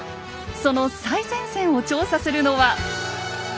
その最前線を調査するのは。